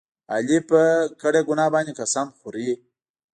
علي په کړې ګناه باندې قسم خوري.